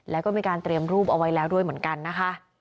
แล้วก็มีการเตรียมรูปเอาไว้แล้วด้วยเหมือนกันนะคะ